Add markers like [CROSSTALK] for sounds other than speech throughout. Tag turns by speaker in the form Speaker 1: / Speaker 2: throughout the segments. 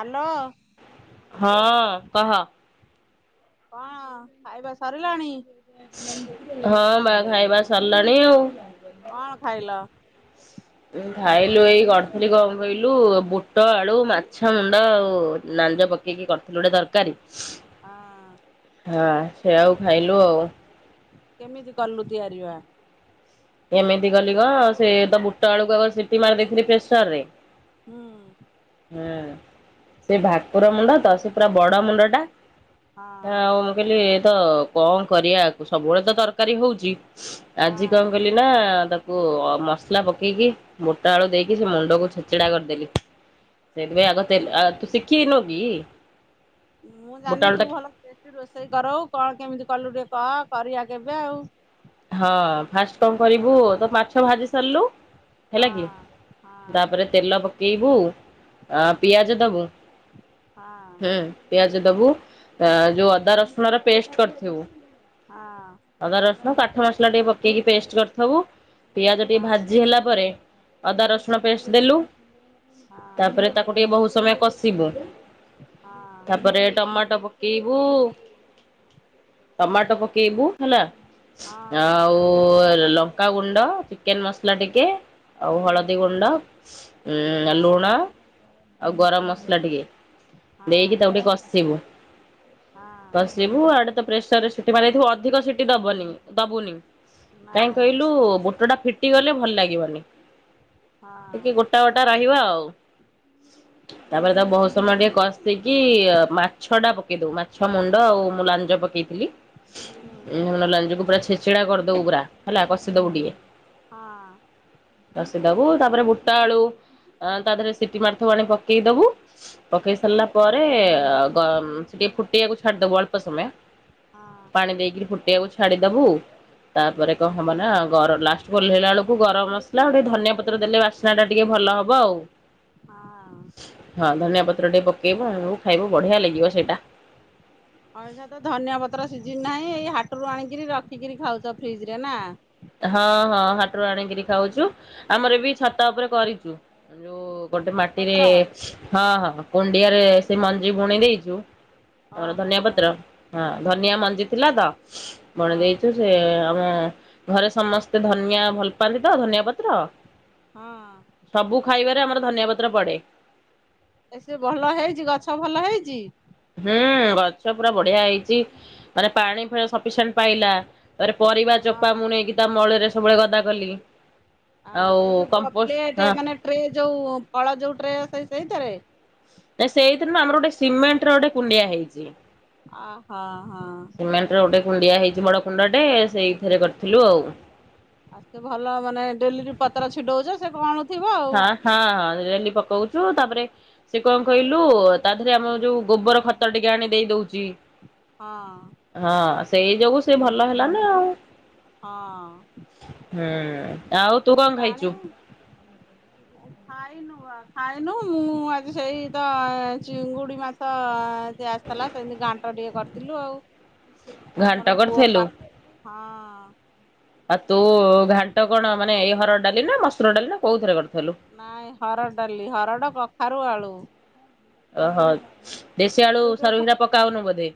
Speaker 1: Hello
Speaker 2: ହଁ କହ।
Speaker 1: କଣ ଖାଇବା ସରିଲାଣି?
Speaker 2: ହଁ ବା ଖାଇବା ସରିଲାଣି ଆଉ।
Speaker 1: କଣ ଖାଇଲ?
Speaker 2: ଖାଇଲୁ ଏଇ କରିଥିଲି କଣ କହିଲୁ ବୁଟ, ଆଳୁ, ମାଛ ମୁଣ୍ଡ ଆଉ ନାଞ୍ଜ ପ କେଇକିି କରିଥିଲୁ ଗୋଟେ ତରକାରୀ।
Speaker 1: ହଁ
Speaker 2: ହଁ ସେଇଆକୁ ଖାଇଲୁ ଆଉ।
Speaker 1: କେମିତି କଲୁ ତିଆରି ବା?
Speaker 2: କେମିତି କଲି କଣ। ସେ ତ ବୁଟ ଆଳୁକୁ ଆଗ ସିଟି ମାରି ଦେଇଥିଲି ପ୍ରେସରରେ।
Speaker 1: ହୁଁ
Speaker 2: ହୁଁ ସେ ଭାକୁର ମୁଣ୍ଡ ତା ସେ ପୁରା ବଡ ମୁଣ୍ଡଟା।
Speaker 1: ହଁ
Speaker 2: ଆ ଆଉ ମୁଁ କହିଲି ଏ ତ କଣ କରିବା ସବୁବେଳେ ତ ତରକାରୀ ହଉଛି। ଆଜି କଣ
Speaker 1: ହଁ
Speaker 2: କଲି ନା ତାକୁ ମସଲା ପକେଇକି ବୁଟ ଆଳୁ ଦେଇକି ସେ ମଣ୍ଡକୁ ଛେଚଡ଼ା କରିଦେଲି। ସେଥିପାଇଁ ଆଗତେ ଆ ତୁ ସିଖିନୁ କି?
Speaker 1: ମୁଁ
Speaker 2: ବୁଟ
Speaker 1: ଜାଣିନି ତୁ
Speaker 2: ଆଳୁଟା
Speaker 1: ଭଲଠୁ ରୋଷେଇ କରଉ କଣ କେମିତି କଲୁ ଟିକେ କହ କରିବା କେବେ ଆଉ।
Speaker 2: ହଁ ଫାଷ୍ଟ କଣ କରିବୁ ତ ମାଛ ଭାଜି ସାରିଲୁ। ହେଲା
Speaker 1: ହଁ
Speaker 2: କି
Speaker 1: ହଁ
Speaker 2: ତାପରେ ତେଲ ପକେଇବୁ ଆ ପିଆଜ ଦବୁ।
Speaker 1: ହଁ
Speaker 2: ହୁଁ ପିଆଜ ଦବୁ ଯୋଉ ଅଦା ରସୁଣ ର ପେଷ୍ଟ କରିଥିବୁ
Speaker 1: ହଁ
Speaker 2: ଅଦା ରସୁଣ କାଠ ମସଲା ଟିକେ ପକେଇକି ପେଷ୍ଟ କରିଥବୁ ପିଆଜ ଟିକେ
Speaker 1: ହଁ
Speaker 2: ଭାଜି ହେଲା ପରେ ଅଦା ରସୁଣ ପେଷ୍ଟ ଦେଲୁ
Speaker 1: ହଁ
Speaker 2: ତାପରେ ତାକୁ ଟିକେ ବହୁତ ସମୟ କଷିବୁ
Speaker 1: ହଁ
Speaker 2: ତାପରେ ଟମାଟୋ ପକେଇବୁ ଟମାଟୋ ପକେଇବୁ ହେଲା
Speaker 1: ହଁ
Speaker 2: ଆଉ ଉ ଲଙ୍କାଗୁଣ୍ଡ ଚିକେନ ମସଲା ଟିକେ ଆଉ
Speaker 1: ହୁଁ
Speaker 2: ହଳଦୀ ଗୁଣ୍ଡ ଉଁ ଲୁଣ
Speaker 1: ହଁ
Speaker 2: ଆଉ ଗରମ ମସଲା ଟିକେ ଦେଇକି
Speaker 1: ହଁ
Speaker 2: ତାକୁଟିକେ କଷିବୁ
Speaker 1: ହଁ
Speaker 2: କଷିବୁ ଆଡେ ତ ପ୍ରେସରରେ ଟି ବାରାଇଥିବ ଅଧିକ ସିଟି ଦବନି ଦବୁନି କାହିଁ
Speaker 1: ନାଇଁ
Speaker 2: କହିଲୁ ବୁଟ ଟା ଫି ଟି ଗଲେ ଭଲ ଲାଗିବନି
Speaker 1: ହଁ
Speaker 2: ଟିକେ ଗୋଟା ଗୋଟା ରହିବ ଆଉ ତାପରେ ତା ବହୁତ ସମୟ ଟିକେ କଷେଇକି ମାଛ ଟା ପକେଇ ଦଉ ମାଛ ମୁଣ୍ଡ ଆଉ ମୁଁ ଲାଞ୍ଜ ପକେଇଥିଲି।
Speaker 1: ହୁଁ
Speaker 2: ଲଞ୍ଜ କକୁ ପୁରା ଛେଚେଡା କରିଦବୁ ପୁରା ହେଲା କଷିଦବୁ ଟିକେ।
Speaker 1: ହଁ।
Speaker 2: କଷିଦବୁ ତାପରେ ବୁଟା ଆଳୁ, ତା ଦେହରେ ସିଟି ମାର୍ ଥିବଣି ପକେଇ ଦବୁ। ପକେଇ ସାରିଲା
Speaker 1: ହଁ
Speaker 2: ପରେ ଗ ସେ ଟିକେ ଫୁଟେଇବାକୁ ଛାଡିଦବ ଅଳ୍ପ ସମୟ।
Speaker 1: ହଁ।
Speaker 2: ପାଣି ଦେଇକି ଫୁଟେଇବାକୁ ଛାଡିଦବୁ ତାପରେ କଣ ହବ ନା ଗର ଲାଷ୍ଟ ଓଲେଇଲା ବେଳକୁ ଗରମ ମସଲା ଗୋଟେ ଧନିଆ ପତ୍ର ଦେଲେ ବାସ ବାଶ୍ନା ଟା ଟିକେ ଭଲ ହବ ଆଉ।
Speaker 1: ହଁ
Speaker 2: ହଁ ଧନିଆ ପତ୍ର ଟେ ପକେଇବୁ ଆଉ ଖାଇବୁ ବଢିଆ ଲାଗିବ ସେଇଟା।
Speaker 1: ହଁ ଆଇଠେ ତ ଧନିଆ ପତ୍ର ସିଝିନ ନାହିଁ। ଏଇ ହାଟରୁ ଆଣିକିରି ରଖିକିରି ଖାଉଛ ଫ୍ରିଜ ରେ ନା?
Speaker 2: ହଁ ହଁ ହାଟରୁ ଆଣିକିରି ଖାଉଛୁ। ଆମର ଏ ବି ଛତା ଉପରେ କରିଛୁ ଯୋଉ ଗୋଟେ ମାଟିରେ
Speaker 1: ପତ୍ର
Speaker 2: ହଁ, ହଁ କୁଣ୍ଡିଆ ରେ ସେ ମଞ୍ଜି ବୁଣି ଦେଇଛୁ। ଆମର
Speaker 1: ଓହୋ
Speaker 2: ଧନିଆ ପତ୍ର ହଁ ଧନିଆ ମଞ୍ଜି ଥିଲା ତ ମଣେ
Speaker 1: ହଁ
Speaker 2: ଦେଇଛୁ ସେ ଆମେ ଘରେ ସମସ୍ତେ ଧନିଆ ଭଲ ପାଆନ୍ତି ତ ଧନିଆ ପତ୍ର
Speaker 1: ହଁ।
Speaker 2: ସବୁ ଖାଇବାରେ ଆମର ଧନିଆ ପତ୍ର ପଡେ।
Speaker 1: ଏସ ଭଲ ହେଇଛି, ଗଛ ଭଲ ହେଇଛି।
Speaker 2: ହୁଁ, ଗଛ ପୁରା ବଢିଆ ହେଇଛି। ମାନେ ପାଣି ପ୍ରାୟ ସଫିସେଣ୍ଟ ପାଇଲା। ତରେ ପରିବା ଚୋପା
Speaker 1: ହଁ।
Speaker 2: ମୁଁ ନେଇକି ତା ମଳରେ ସବୁଗୁଡ଼ା ଗଦା କଲି।
Speaker 1: ଆ
Speaker 2: ଆଉ
Speaker 1: ଏଇ ଯୋଉ
Speaker 2: କମ୍ପୋଷ୍ଟ,
Speaker 1: ପ୍ଲେଟ
Speaker 2: ହ
Speaker 1: ମାନେ ଟ୍ରେ ଯୋଉ ପଳ ଯୋଉ ଟ୍ରେ ଅ ସେ ସେଇଥିରେ
Speaker 2: ନା ସେଇଥିରୁ ନୁହ ଆମର ଗୋଟେ ସିମେଣ୍ଟ ର ଗୋଟେ କୁଣ୍ଡିଆ ହେଇଛି।
Speaker 1: ଓହୋ ହ ହଁ।
Speaker 2: ସିମେଣ୍ଟର ଗୋଟେ କୁଣ୍ଡିଆ ହେଇଛି ବଡ଼ କୁଣ୍ଡଟେ ସେଇଥିରେ କରିଥିଲୁ ଆଉ।
Speaker 1: ଆଉେ ଭଲ ମାନେ ଡେଲିରି ପତ୍ର ଛିଡଉଛ ସେ କଣ??
Speaker 2: ହଁ ହଁ ହଁ ଡେଲି ପକଉଛୁ। ତାପରେ ସେ କଣ କହିଲୁ, ତା ଦେରେ ଆମ ଯୋଉ ଗୋବର ଖତ ଟିକେ ଆଣି ଦେଇ ଦଉଛି।
Speaker 1: ହଁ।
Speaker 2: ହଁ ସେଇ ଯୋଗୁ ସେ ଭଲ ହେଲାନା ଆଉ।
Speaker 1: ହଁ।
Speaker 2: ହୁଁଉଁ।
Speaker 1: ଡେଲି ପାଣି [INAUDIBLE] ଖାଇନୁ ବା ଖାଇନୁ, ମୁଁ ଆଜି ସେଇ ତ ଚିଙ୍ଗୁଡି ମାଛ ସେ ଆସିଥିଲା, ସେମିତି ଘାଣ୍ଟ ଟିକେ କରିଥିଲୁ ଆଉ। ଆମର
Speaker 2: ଘାଣ୍ଟ
Speaker 1: ପୁଅ ପା
Speaker 2: କରିଥିଲୁ?
Speaker 1: ହଁ।
Speaker 2: ଆଉ ତୁ ଘାଣ୍ଟ କଣ, ମାନେ ଏଇ ହରଡ ଡାଲି ନା ମସୁର ଡାଲି ନା କୋଉଥିରେ କରିଥିଲୁ?
Speaker 1: ନାଇଁ ହରଡ଼ ଡାଲି ହରଡ଼, କଖାରୁ, ଆଳୁ।
Speaker 2: ଓହୋ ଦେଶୀ ଆଳୁ
Speaker 1: ତୁ ଟିକେ
Speaker 2: ସରୁରା ପକାଉନୁ ବୋଧେ।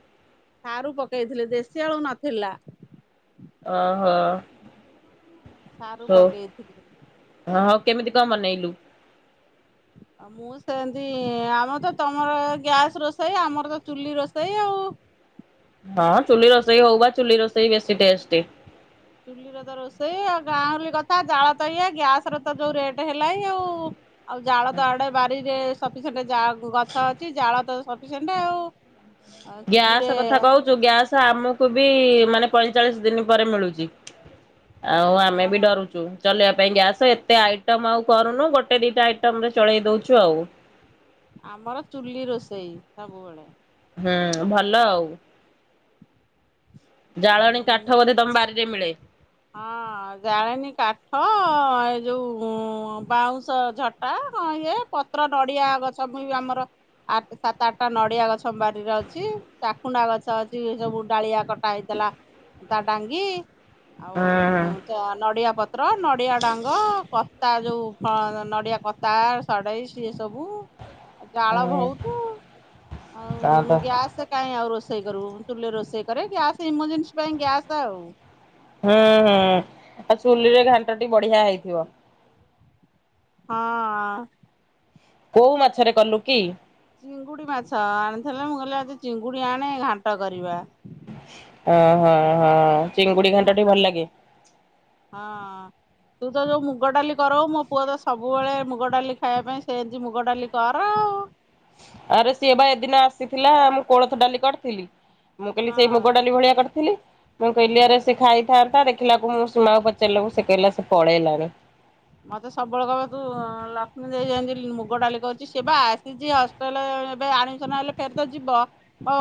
Speaker 1: ସାରୁ ପକେଇଥିଲି ଦେଶୀ ଆଳୁ ନଥିଲା।
Speaker 2: ଓହୋ।
Speaker 1: ସାରୁ
Speaker 2: ହଉ
Speaker 1: ପକେଇଥିଲି।
Speaker 2: ହଁ ହଉ କେମିତି କଣ ବନେଇଲୁ?
Speaker 1: ଆ ମୁଁ ମୁଁ ସେମିତି, ଆମର ତ ତମର ଗ୍ୟାସ୍ ରୋଷେଇ ଆମର ତ ଚୁଲି ରୋଷେଇ ଆଉ।
Speaker 2: ହଁ ଚୁଲି ରୋଷେଇ ହଉ ବା, ଚୁଲି ରୋଷେଇ ବେଶୀ ଟେଷ୍ଟ।
Speaker 1: ଚୁଲିର ତ ରୋଷେଇ ଆଉ ଗାଁହଲି କଥା ଜାଳ ତ ଇଏ। ଗ୍ୟାସ ର ତ ଯୋଉ ରେଟ ହେଲା ଏଇ ଆଉ। ଆଉ ଜାଳ ତ ଆଡେ ବାରିରେ ସପିସେଣ୍ଟ ଜା ଗଛ ଅଛି। ଜାଳ ତ ସପିସେଣ୍ଟ ଆଉ। ଆଉ ଚୁଲିରେ
Speaker 2: ଗ୍ୟାସ କଥା କହୁଚୁ, ଗ୍ୟାସ ଆମକୁ ବି ମାନେ ପଇଁଚାଳିଶ ଦିନ ପରେ ମିଳୁଛି। ଆଉ ଆମେ ବି
Speaker 1: ହଁ
Speaker 2: ଡରୁଚୁ। ଚଲେଇବା ପାଇଁ ଗ୍ୟାସ, ଏତେ ଆଇଟମ ଆଉ କରୁନୁ। ଗୋଟେ ଦିଟା ଆଇଟମ ରେ ଚଳେଇ ଦଉଛୁ ଆଉ।
Speaker 1: ଆମର ଚୁଲି ରୋଷେଇ ସବୁବେଳେ।
Speaker 2: ହୁଁ ଭଲ ଆଉ। ଜାଳଣୀ
Speaker 1: ଉଁ
Speaker 2: କାଠ ବୋଧେ ତମ ବାରିରେ ମିଳେ।
Speaker 1: ହଁ ଜାଳେଣି କାଠ ଏ ଯୋଉ ବାଉଁଶ ଝଟା ହଁ ଇଏ। ପତ୍ର ନଡିଆ ଗଛ ବି ଆମର। ଆଠ ସାତ ଆଠଟା ନଡିଆ ଗଛ ଆମ ବାରିରେ ଅଛି। ଚାକୁଣ୍ଡା ଗଛ ଅଛି ସବୁ ଡାଳିଆ କଟା ହେଇ ଥିଲା ତା ଡାଙ୍ଗି ଆଉ
Speaker 2: ହୁଁ
Speaker 1: ତ ନଡ଼ିଆ ପତ୍ର ନଡ଼ିଆ ଡାଙ୍ଗ କତା ଯୋଉ ଫ ନଡ଼ିଆ କତା। ସଡ଼େଇ ସିଏ ସବୁ ଜାଳ
Speaker 2: ହଁ
Speaker 1: ବହୁତ,
Speaker 2: ତ
Speaker 1: ଆଉ
Speaker 2: ହୁଁ
Speaker 1: ଗ୍ୟାସ୍ କାଇଁ ଆଉ ରୋଷେଇ କରିବୁ। ଚୁଲିରେ ରୋଷେଇ କରେ ଗ୍ୟାସ୍ ଇମର୍ଜେନ୍ସି ପାଇଁ ଗ୍ୟାସ୍ ଆଉ।
Speaker 2: ହଁ ହଁ। ଆଉ ଚୁଲିରେ ଘାଣ୍ଟ ଟି ବଢିଆ ହେଇଥିବ।
Speaker 1: ହଁ।
Speaker 2: କୋଉ ମାଛରେ କଲୁ କି?
Speaker 1: ଚିଙ୍ଗୁଡି ମାଛ ଆଣିଥିଲେ, ମୁଁ କହିଲି ଆଜି ଚିଙ୍ଗୁଡ଼ି ଆଣେ ଘାଣ୍ଟ କରିବା।
Speaker 2: ଓ ହଁ ହଁ। ଚିଙ୍ଗୁଡି
Speaker 1: ମୁଢ଼ି
Speaker 2: ଘାଣ୍ଟଟି
Speaker 1: ଘାଣ୍ଟ
Speaker 2: ଭଲ ଲାଗେ।
Speaker 1: ହଁ। ତୁ ତ ଯୋଉ ମୁଗ ଡାଲି କରଉ, ମୋ ପୁଅ ତ ସବୁବେଳେ ମୁଗ ଡ଼ାଲି ଖାଇବା ପାଇଁ ସେମିତି ମୁଗ ଡାଲି କର।
Speaker 2: ଆରେ ସିଏ ବା ଏଦିନ ଆସିଥିଲା, ମୁଁ କୋଳଥ ଡାଲି କରିଥିଲି। ମୁଁ କହିଲି ସେଇ ମୁଗ
Speaker 1: ହଁ
Speaker 2: ଡାଲି ଭଳିଆ କରିଥିଲି। ମୁଁ କହିଲି
Speaker 1: ହୁଁ
Speaker 2: ଆରେ ସେ ଖାଇଥାନ୍ତା ଦେଖ ଖିଲାକୁ, ମୁଁ ସୁମାକୁ ପଚାରିଲୁ ସେ କହିଲା ସେ ପଳେଇଲାଣି।
Speaker 1: ମତେ ସବୁବେଳେ କହିବ ତୁ ଲକ୍ଷ୍ମୀ ଦେଇ ଯେମିତି ମୁଗ ଡାଲି କରୁଛି। ସେ ବା ଆସିଛି ଅ କଲେ ଏବେ ଆଡମିଶନ୍ ହେଲେ ଫେର ତ ଯିବ।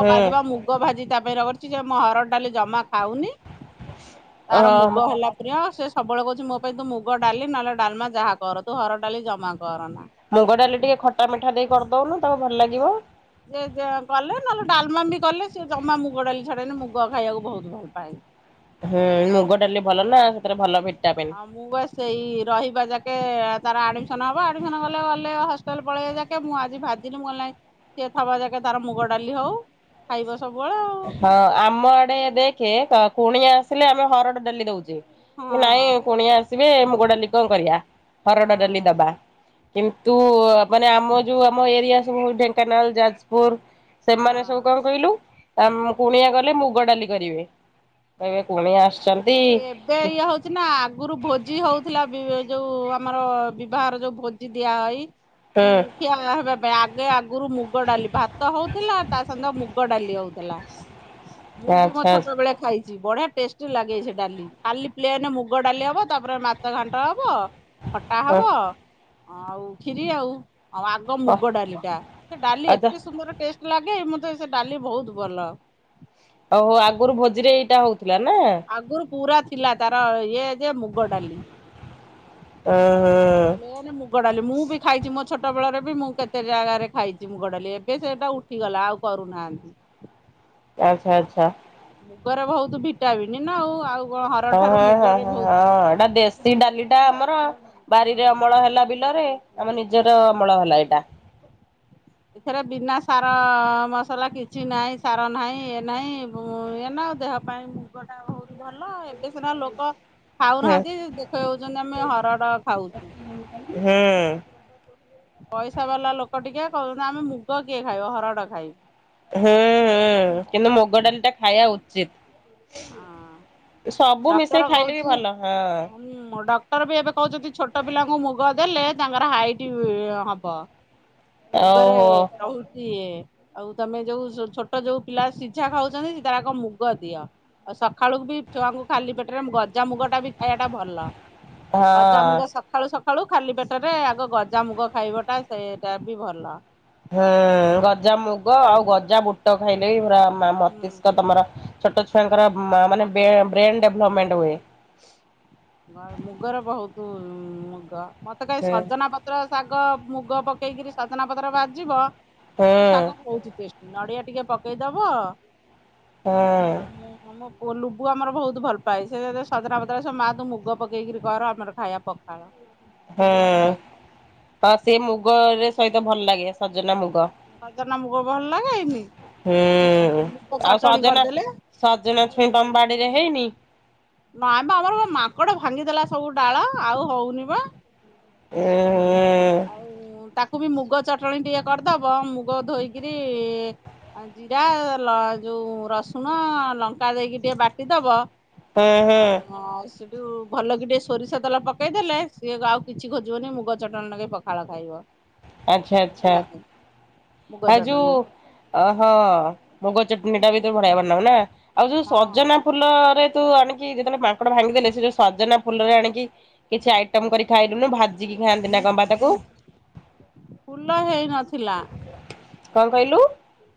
Speaker 2: ହୁଁ
Speaker 1: ଆଜିିବା ମୁଗ ଭାଜି ତା ପାଇଁ ରଗଡିଛି ଯେ, ମ ହରଡ଼ ଡାଲି ଜମା ଖାଉନି। ତାର ମୁଗ
Speaker 2: ହଁ
Speaker 1: ହେଲା ପ୍ରିୟ, ସେ ସବୁବେଳେ କହୁଛି ମୋ ପାଇଁ ତୁ ମୁଗ ଡାଲି ନହେଲେ ଡାଲମା ଯାହା କର ତୁ ହରଡ ଡାଲି ଜମା କର ନା।
Speaker 2: ମୁଗ ଡ଼ାଲି ଟିକେ ଖଟା ମିଠା ଦେଇ କରିଦେଉନୁ ତାକୁ ଭଲ ଲାଗିବ।
Speaker 1: ଯେ କେ କଲେ ନହେଲେ ଡାଲମା ବି କଲେ, ସେ ଜମା ମୁଗ ଡାଲି ଛାଡେନି ମୁଗ ଖାଇବାକୁ ବହୁତ ଭଲ ପାଏ।
Speaker 2: ହୁଁ ମୁଗ ଡାଲି ଭଲ ନା ସେଥିରେ ଭଲ ଭିଟାମିନ।
Speaker 1: ହଁ ମୁଁ ବା ସେଇ ରହିବା ଯାକେ ତାର ଆଡମିସନ ହବ ଆଡମିସନ ଗଲେ ଗଲେ ହଷ୍ଟେଲ ପଳେଇବ ଯେ ମୁଁ ଆଜି ଭାଜିଲି ମୁଁ କହିଲି ନାଇଁ ସିଏ ଥବା ଯାକେ ତାର ମୁଗ ଡାଲି ହଉ ଖାଇବ ସବୁବେଳେ ଆଉ।
Speaker 2: ହଁ ଆମ ଆଡେ ଦେଖେ ସ କୁଣିଆ ଆସିଲେ ଆମେ ହରଡ ଡାଲି ଦଉଛେ। ନାଇଁ
Speaker 1: ହଁ
Speaker 2: କୁଣିଆ ଆସିବେ ମୁଗ ଡାଲି କଣ କରିବା ହରଡ ଡାଲି
Speaker 1: ହଁ
Speaker 2: ଦବା। କିନ୍ତୁ ମାନେ ଆମ ଯୋଉ ଆମ ଏରିଆ ସବୁ ଢେଙ୍କାନାଳ ଯାଜପୁର ସେମାନେ ସବୁ
Speaker 1: ହଁ
Speaker 2: କଣ କହିଲୁ ଅ କୁଣିଆ ଗଲେ ମୁଗ ଡାଲି କରିବେ। କହିବେ କୁଣିଆ ଆସିଛନ୍ତି।
Speaker 1: ଏବେ ଇଏ ହଉଛି ନା ଆଗରୁ ଭୋଜି ହଉଥିଲା ବି ଯୋଉ ଆମର ବିବାଘର ଯୋଉ ଭୋ ଭୋଜି ଦିଆ ହୋଇ
Speaker 2: ହୁଁ
Speaker 1: ହଁ ଖିଆ ହେବା ପାଇଁ ଆଗେ ଆଗରୁ ମୁଗ ଡାଲି ଭାତ ହଉଥିଲା ତା ସନ୍ତ ମୁଗ ଡାଲି ହଉଥିଲା। ମୁଁ ବି ମୋ
Speaker 2: ଆଚ୍ଛା
Speaker 1: ଛୋଟ
Speaker 2: ଆଚ୍ଛା
Speaker 1: ବେଳେ ଖାଇଛି ବଢିଆ ଟେଷ୍ଟି ଲାଗେ ସେ ଡାଲି କାଲି ପ୍ଲେନ ମୁଗ ଡାଲି ହବ ତାପରେ ମାଛ ଘାଣ୍ଟ ହବ ଖଟା ହବ। ଆଉ କ୍ଷୀରି ଆଉ ଆଉ ଆଗ
Speaker 2: ହ
Speaker 1: ମୁଗ ଡାଲି ଟା ସେ ଡାଲି
Speaker 2: ଆଚ୍ଛା
Speaker 1: ଏତେ ସୁନ୍ଦର ଟେଷ୍ଟ ଲାଗେ ମତେ ସେ ଡାଲି ବହୁତ ଭଲ।
Speaker 2: ଓହୋ ଆଗରୁ ଭୋଜିରେ ଏଇଟା ହଉଥିଲା ନା।
Speaker 1: ଆଗରୁ ପୁରା ଥିଲା ତାର ଇଏ ଯେ ମୁଗ ଡାଲି।
Speaker 2: ଓ ହୋ
Speaker 1: ମେନ ମୁଗ ଡାଲି ମୁଁ ବି ଖାଇଛି ମୋ ଛୋଟବେଳେରେ ବି ମୁଁ କେତେ ଜାଗାରେ ଖାଇଛି ମୁଗଡାଲି ଏବେ ସେଟା ଉଠ ଠିଗଲା ଆଉ କରୁନାହାନ୍ତି।
Speaker 2: ଆଚ୍ଛା
Speaker 1: ଆଉ
Speaker 2: ଆଚ୍ଛା।
Speaker 1: ମୁଗରେ ବୋହୁତୁ ଭିଟାମିନ୍ ନା ଆଉ ଆଉ କଣ ହରଡ ଠାରୁ ମୁଗରେ ବହୁତ ଭିଟାମିନ୍
Speaker 2: [UNINTELLIGIBLE] ସି ଡାଲି ଟା ଆମର ବାରିରେ
Speaker 1: ହଁ
Speaker 2: ଅମଳ ହେଲା ବିଲରେ ଆମର ନିଜର ଅମଳ ହେଲା ଏଇଟା।
Speaker 1: ଏଥିରେ ବିନା ସାର ମସଲା କିଛି ନାହିଁ ସାର ନାହିଁ ଏ ନାହିଁ [UNINTELLIGIBLE] ଦେହ ପାଇଁ ମୁଗ ଟା ବୋହୁତ ଭଲ ଏବେ ସିନା ଲୋକ
Speaker 2: ହୁଁ
Speaker 1: ଖାଉନାହାନ୍ତି ଦେଖେଇ ହୋଉଚନ୍ତି ଆମେ ହରଡ଼ ଖାଉଚୁ।
Speaker 2: ହୁଁ।
Speaker 1: ପଇସା ବାଲା ଲୋକୋଟିକେ କୋହୁଛନ୍ତି ଆମେ ମୁଗ କିଏ ଖାଇବ ହରଡ଼ ଖାଇ
Speaker 2: ହୁଁ ହୁଁ କିନ୍ତୁ ମୁଗ ଡାଲି ଟା ଖାଇବା ଉଚିତ୍।
Speaker 1: ହଁ
Speaker 2: ମିଶେଇ
Speaker 1: ଡକ୍ଟର
Speaker 2: ଖାଇଲେ ବି
Speaker 1: କୋହୁଚି
Speaker 2: ଭଲ ହଁ
Speaker 1: ହୁଁ ଡକ୍ କ୍ଟର ବି ଏବେ କହୁଛନ୍ତି ଛୋଟୋ ପିଲାଙ୍କୁ ମୁଗ ଦେଲେ ତାଙ୍କର ହାଇଟି ହବ। ମୁଗରେ
Speaker 2: ଓହୋ।
Speaker 1: ରହୁଚି ଏ ଆଉ ତମେ ଯୋଉ ଛୋ ଛୋଟୋ ଯୋଉ ପିଲା ସିଝା ଖାଉଛନ୍ତି [UNINTELLIGIBLE] ମୁଗ ଦିଅ। ଆଉ ସଖାଳୁକୁ ବି ଛୁଆଙ୍କୁ ଖାଲି ପେଟରେ ମୁଗ ଜା ମୁଗଟା ବି ଖାଇବାଟା ଭଲ
Speaker 2: ହଁ।
Speaker 1: ଗଜାମୁଗ ସ ଖାଳୁ ସଖାଳୁ ଖାଲି ପେଟରେ ଆଗ ଗଯା ମୁଗ ଖାଇବଟା ସେଟା ବି ଭଲ।
Speaker 2: ହୁଁ ଗଜା ମୁଗ ଆଉ ଗଜା ବୁଟ ଖାଇଲେ ବି ପୁରା ମା ମସ୍ତିଷ୍କ
Speaker 1: ହୁଁ।
Speaker 2: ତମର ଛୋଟୋ ଛୁଆଙ୍କର ମା ମାନେ ବେ ବ୍ରେନ୍ ଡେଭଲପମେଣ୍ଟ ହୁଏ।
Speaker 1: [UNINTELLIGIBLE] ମୁଗର ବହୁତୁ ମୁଗ ମତେ କାଇଁ
Speaker 2: ହୁଁ
Speaker 1: ସଜନା ପ ପତ୍ର ଶାଗ ମୁଗ ପକେଇକିରି ସଜନା ପତ୍ର ଭାଜିବ
Speaker 2: ହୁଁ
Speaker 1: ସିଏ ଶାଗ ବୋହୁତୁ ଟେଷ୍ ଷ୍ଟି ନଡିଆ ଟିକେ ପକେଇଦବ
Speaker 2: ହୁଁ
Speaker 1: ଆମ [UNINTELLIGIBLE] ପୁଅ ଲୁବୁ ଆମର ବୋହୁତୁ ଭଲ ପାଏ ସିଏ [UNINTELLIGIBLE] ସଜନା ପତ୍ର [UNINTELLIGIBLE] ମା ତ ମୁଗ ପକେଇକିରି କର ଆମର ଖାଇବା ପଖାଳ।
Speaker 2: ହୁଁ
Speaker 1: ଭଲ ପାଏ
Speaker 2: ତ ସେ ମୁଗରେ ସହିତ ଭଲ ଲାଗେ ସଜନା ମୁଗ।
Speaker 1: ସଜନା ମୁଗ ଭଲ ଲାଗେଇନି
Speaker 2: ହୁଁ।
Speaker 1: ମୁଗ
Speaker 2: ଆଉ
Speaker 1: ଚଟଣି
Speaker 2: ସଜନା
Speaker 1: କରିଦେଲେ।
Speaker 2: ସଜନା ଛୁଇଁ ତମ ବାଡ଼ିରେ ହେଇନି।
Speaker 1: ନାଇଁ ପା ଆମର ପା ମାଙ୍କଡ ଭାଙ୍ଗିଦେଲା ସବୁ ଡାଳ ଆଉ ହୋଉନି ପା।
Speaker 2: [UNINTELLIGIBLE]
Speaker 1: ଆଉ ତାକୁ ବି ମୁଗ ଚଟଣୀ ଟିକେ କରିଦବ ମୁଗ ଧୋଇକିରି ଆଁ ଜିରା ଲ ଯୋଉ ରସୁଣ ଲଙ୍କା ଦେଇକି ଟିକେ ବାଟିଦବ।
Speaker 2: ହୁଁ ହୁଁ
Speaker 1: [UNINTELLIGIBLE] [UNINTELLIGIBLE] ଭଲ କି ଟିକେ ସୋରିଷ ତେଲ ପକେଇ ଦେଲେ ସିଏ ଗ ଆଉ କିଛି ଖୋଜିବନି ମୁଗ ଚଟଣୀ ନଗେଇ ପଖାଳ ଖାଇବ।
Speaker 2: ଆଚ୍ଛା
Speaker 1: ଭଲ
Speaker 2: ଆଚ୍ଛା।
Speaker 1: ଲାଗେ। ମୁଗ
Speaker 2: ଆ
Speaker 1: ଚଟଣି
Speaker 2: ଯୋଉ ଅହଁ ମୁଗ ଚଟଣୀ ଟା ବି ତ ବଢ଼ିଆ ବନାଅ ନା ଆଉ ଯୋଉ
Speaker 1: ହଁ
Speaker 2: ସଜନା ଫୁଲରେ ତୁ ଆଣିକି ଯେତୋବୋଳେ ମାଙ୍କଡ଼ ଭାଙ୍ଗିଦେଲେ ସେ ଯୋଉ ସଜନା ଫୁଲରେ ଆଣିକି କିଛି ଆଇଟମ୍ କରି ଖାଇଲୁନି ଭାଜିକି ଖାଆନ୍ତି ନା କଁ ପା ତାକୁ।
Speaker 1: ଫୁଲ ହେଇ ନଥିଲା।
Speaker 2: କଁ କହିଲୁ?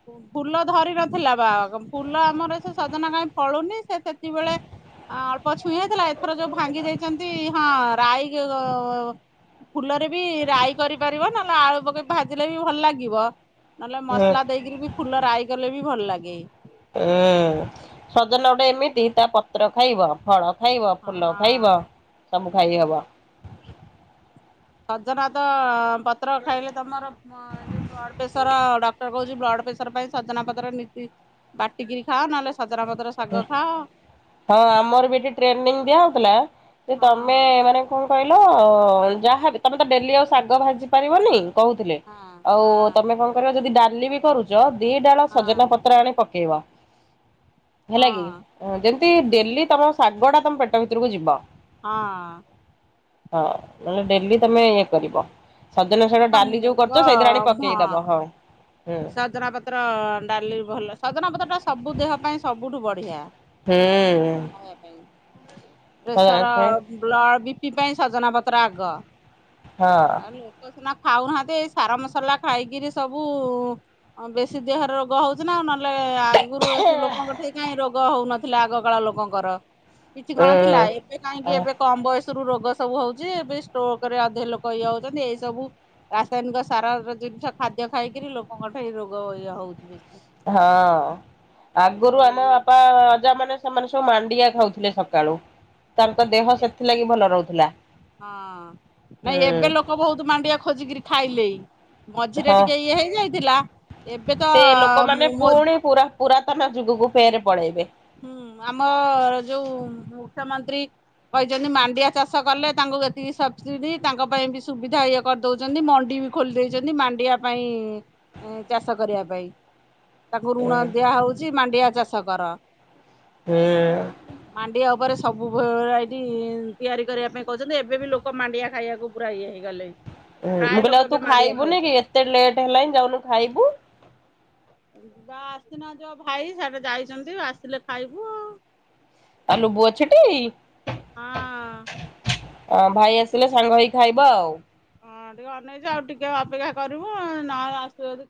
Speaker 1: ଫୁ ଫୁଲ ଧରି ନଥିଲା ବା ଫୁଲ ଆମର ସେ ସଜନା କାଇଁ ଫଳୁନି ସେ ସେତିକିବେଳେ ଆଁ ଅଳ୍ପ ଛୁଇଁ ହେଇଥେଲା ଏଥର ଯୋଉ ଭାଙ୍ଗି ଦେଇଚନ୍ତି ହଁ ରାଇ [UNINTELLIGIBLE] ଫୁଲରେ ବି ରାଇ କରିପାରିବ ନଲେ ଆଳୁ ପକେଇ ଭାଜିଲେ ବି ଭଲ ଲାଗିବ। ନହେଲେ
Speaker 2: ହୁଁ
Speaker 1: ମସଲା ଦେଇକିରି ବି ଫୁଲ ରାଇ କଲେ ବି ଭଲ ଲାଗେ।
Speaker 2: ହୁଁ ସଜନା ଗୋଟେ ଏମିତି ତା ପତ୍ର ଖାଇବ ଫଳ ଖାଇବ
Speaker 1: ହଁ।
Speaker 2: ଫୁଲ ଖାଇବ
Speaker 1: ହଁ।
Speaker 2: ସବୁ ଖାଇହବ।
Speaker 1: ସଜନା ତ ପତ୍ର ଖାଇଲେ ତମର ମ ଯୋଉ ବ୍ଲଡପେସର ଡକ୍ଟର କୋହୁଚି ବ୍ଲଡପେସର ପାଇଁ ସଜନା ପତର ନୀତି ବାଟିକିରି ଖାଅ ନହେଲେ ସଜନା ପତର
Speaker 2: [UNINTELLIGIBLE] ହଁ ଆମର ବି ଏଠି ଟ୍ରେନିଙ୍ଗି ଦିଆ ହୋଉଥୁଲା ଯେ ତମେ
Speaker 1: ହଁ
Speaker 2: ମାନେ କଁ କହିଲ ଯାହା ହେଲେ ତମେ ତ ଡେଲ୍ଲୀ ଆଉ ଶାଗ ଭାଜିପାରିବନି। କହୁଥିଲେ।
Speaker 1: ହଁ
Speaker 2: ଆଉ
Speaker 1: ହଁ
Speaker 2: ତମେ କଣ କରିବ ଯଦି ଡାଲି ବି କରୁ ଚ, ଦି ଡାଳ
Speaker 1: ହଁ
Speaker 2: ସଜନା ପତ୍ର ଆଣି ପକେଇବ। ହେଲା କିି।
Speaker 1: ହଁ
Speaker 2: ଯେମତି ଡେଲି ତମ ଶାଗ ଟା ତମ ପେଟ ଭିତରକୁ ଯିବ।
Speaker 1: ହଁ।
Speaker 2: ହଁ। ମାନେ ଡେଲି ତମେ ଇଏ କରିବ। ସଜନା ଶାଗ
Speaker 1: ଆକା
Speaker 2: ଡାଲି ଯୋଉ
Speaker 1: ମୁଗ
Speaker 2: କରୁଚ ସେଇଥିରେ ଆଣି ପକେଇ ଦବ ହଁ। ହୁଁ
Speaker 1: ସଜନା ପତ୍ର ଡାଲି ଭଲ ସଜନା ପତ୍ର ଟା ସବୁ ଦେହ ପାଇଁ ସବୁଠୁ ବଢିଆ।
Speaker 2: ହୁଁ। ହଁ
Speaker 1: ପ୍ରେସର୍ ବ୍ଲଡ଼ ବି ପି ପାଇଁ ସଜନା ପତ୍ର ଆଗ। ଆଉ ଲୋକ ସିନା ଖାଉନାହାନ୍ତି ଏଇ ସାର ମସଲା ଖାଇକିରି ସବୁ ବେଶୀ ଦେହରେ ରୋଗ ହଉଚି ନା ଆଉ। ନହେଲେ ଆଗରୁ ଲୋକଙ୍କ ଠେଇ କାହିଁ ରୋଗ ଗ ହଉନଥିଲା ଆଗକାଳ ଲୋକଙ୍କର। କିଛି କଣ ଥିଲା।
Speaker 2: ଉଁ
Speaker 1: ଏବେ କାହିଁକି ଏବେ କମ୍ ବୟସ ରୁ ରୋଗ ସବୁ ହଉଚି। ଏବେ ଷ୍ଟୋକ୍ ରେ ଅଧେ ଲୋକ ଇଏ ହଉଚନ୍ତି। ଏଇ ସବୁ ରାସାୟନିକ ସାର ଜିନିଷ ଖାଦ୍ୟ ଖାଇକିରି ଲୋକଙ୍କ ଠେଇ ରୋଗ ଇଏ ହଉଚି।
Speaker 2: ହଁ। ଆଗରୁ ଆମ ବାପା ଅଜା ମାନେ ସେମାନେ ସବୁ ମାଣ୍ଡିଆ ଖାଉଥିଲେ ସକାଳୁ। ତାଙ୍କ ଦେହ ସେଥିଲାଗି ଭଲ ରହୁଥିଲା।
Speaker 1: ହଁ। ନାଇଁ
Speaker 2: ହୁଁ
Speaker 1: ଏବେ ଲୋକ ବହୁତ ମାଣ୍ଡିଆ ଖୋଜିକିରି ଖାଇଲେଇ। ମଝିରେ
Speaker 2: ହଁ
Speaker 1: ଟିକେ ଇଏ ହେଇଯାଇଥିଲା। ଏବେ ତ
Speaker 2: ସେ ଲୋକମାନେ
Speaker 1: ମୋଦ
Speaker 2: ପୁଣି ପୁରା ପୁରାତନ ଯୁଗକୁ ଫେରେ ପଳେଇବେ।
Speaker 1: ହୁଁ। ଆମର ଯୋଉ ମୁଖ୍ୟମନ୍ତ୍ରୀ କହିଛନ୍ତି ମାଣ୍ଡିଆ ଚାଷ କଲେ ତାଙ୍କୁ ଏତିକି ସବ୍ ସିଡି ତାଙ୍କ ପାଇଁ ବି ସୁବିଧା ଇଏ କରିଦଉଛନ୍ତି ମଣ୍ଡି ବି ଖୋଲି ଦେଇଛନ୍ତି ମାଣ୍ଡିିଆ ପାଇଁ ଚାଷ କରିବା ପାଇଁ। ତାକୁ ଋଣ
Speaker 2: ଉଁ
Speaker 1: ଦିଆ ହଉଚି ମାଣ୍ଡିଆ ଚାଷ କର।
Speaker 2: ହୁଁ।
Speaker 1: ମାଣ୍ଡିଆ ଉପରେ ସବୁ ଭେରାଇଟି ତିଆରି କରିବା ପାଇଁ କହୁଛନ୍ତି। ଏବେ ବି ଲୋକ ମାଣ୍ଡିଆ ଖାଇବାକୁ ପୁରା ଇଏ ହେଇଗଲେ। ପ୍ରାୟ
Speaker 2: ମୁଁ
Speaker 1: ଲୋକ
Speaker 2: କହିଲି ଆଉ
Speaker 1: ଏବେ
Speaker 2: ତୁ
Speaker 1: ମାଣ୍ଡିଆ
Speaker 2: ଖାଇବୁନି
Speaker 1: ଖାଉଛନ୍ତି।
Speaker 2: କି, ଏତେ ଲେଟ୍ ହେଲାଣିି ଯାଉନୁ ଖାଇବୁ।
Speaker 1: ଆସିନାହାନ୍ତି ବା ଭାଇ ସେଆଡେ ଯାଇଛନ୍ତି ଆସିଲେ ଖାଇବୁ ଆଉ।
Speaker 2: ଆଉ ଲୁବୁ ଅଛିଟି?
Speaker 1: ହଁ।
Speaker 2: ଅଁ ଭାଇ ଆସିଲେ ସାଙ୍ଗ ହେଇକି ଖାଇବ ଆଉ।
Speaker 1: ହଁ ଟିକେ ଅନେଇଚୁ ଆଉ ଟିକେ ଅପେକ୍ଷା କରିବୁ ନ ଆସିବ ଯଦି ଖା